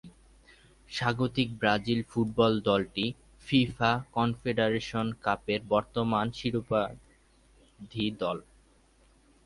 স্বাগতিক Brazil football দলটি FIFA Confederations কাপের বর্তমান শিরোপাধারী দল।